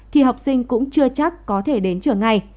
thì học sinh cũng chưa chắc có thể đến trường ngày